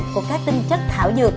của các tinh chất thảo dược